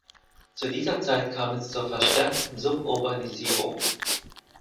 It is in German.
Zu dieser Zeit kam es zur verstärkten Suburbanisierung.